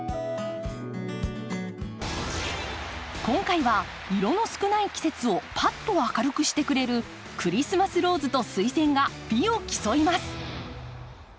今回は色の少ない季節をパッと明るくしてくれるクリスマスローズとスイセンが美を競います。